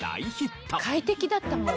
快適だったもん。